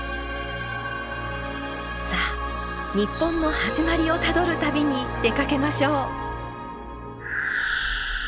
さあ日本の始まりをたどる旅に出かけましょう。